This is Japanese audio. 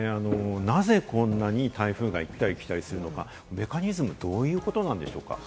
なぜこんなに台風が行ったり来たりするのか、メカニズムはどういうことなんでしょうか？